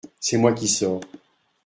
C’est moi qui sors…